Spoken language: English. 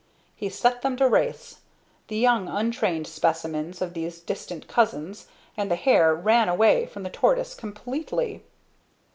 He set them to race the young untrained specimens of these distant cousins and the hare ran away from the tortoise completely.